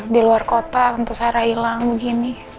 di luar kota untuk sarah hilang begini